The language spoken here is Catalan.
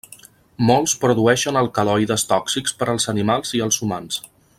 Molts produeixen alcaloides tòxics per als animals i els humans.